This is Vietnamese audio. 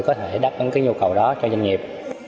có thể đáp ứng cái nhu cầu đó cho doanh nghiệp